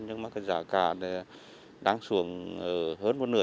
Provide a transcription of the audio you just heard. nhưng mà cái giá cả đang xuống hơn một nửa